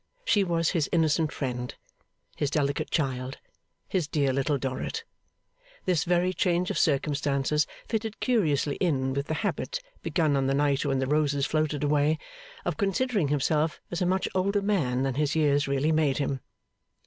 She was his innocent friend, his delicate child, his dear Little Dorrit. This very change of circumstances fitted curiously in with the habit, begun on the night when the roses floated away, of considering himself as a much older man than his years really made him.